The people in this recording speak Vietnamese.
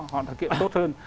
họ được kiệm tốt hơn